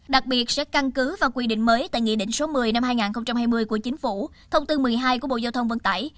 đặc biệt sẽ căn cứ và quy định mới tại nghị định số một mươi năm hai nghìn hai mươi của chính phủ thông tư một mươi hai của bộ giao thông vận tải